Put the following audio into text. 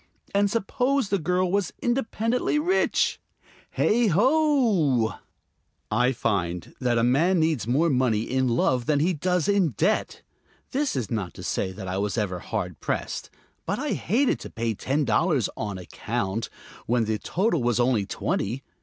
And suppose the girl was independently rich? Heigh ho! I find that a man needs more money in love than he does in debt. This is not to say that I was ever very hard pressed; but I hated to pay ten dollars "on account" when the total was only twenty.